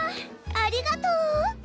ありがとう！